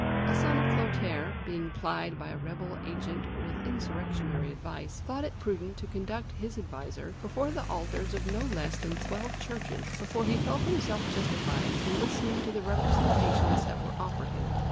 A son of Clotaire, being plied by a rebel agent with insurrectionary advice, thought it prudent to conduct his adviser before the altars of no less than twelve churches before he felt himself justified in listening to the representations that were offered him.